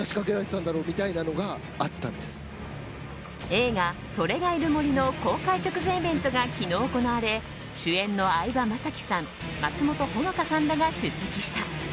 映画「“それ”がいる森」の公開直前イベントが昨日行われ主演の相葉雅紀さん松本穂香さんらが出席した。